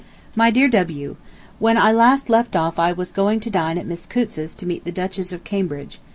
MY DEAR W.: ... When I last left off I was going to dine at Miss Coutts's to meet the Duchess of Cambridge.